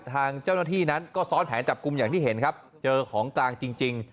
ทางเจ้าหน้าที่นั้นก็ซ้อนแผนจับกลุ่มอย่างที่เห็นครับเจอของกลางจริง